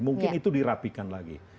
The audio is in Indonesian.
mungkin itu dirapikan lagi